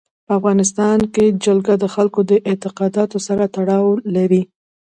په افغانستان کې جلګه د خلکو د اعتقاداتو سره تړاو لري.